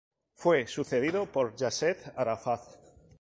Fue sucedido por Yasser Arafat.